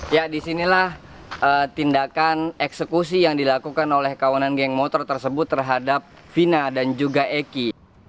ya disinilah tindakan eksekusi yang dilakukan oleh kawanan geng motor tersebut terhadap vina dan juga eki